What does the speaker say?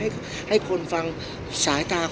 พี่อัดมาสองวันไม่มีใครรู้หรอก